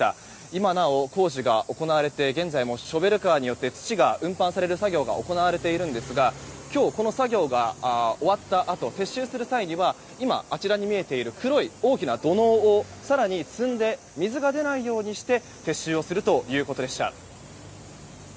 今なお工事が行われて現在もショベルカーによって土が運搬される作業が行われているんですが今日この作業が終わったあと撤収する際には今、あちらに見えている黒い大きな土のうを更に積んで水が出ないようにして撤収をするということでした。